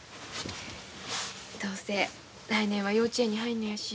どうせ来年は幼稚園に入るのやし。